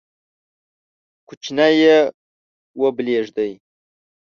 کوچنی یې وبلېږدی،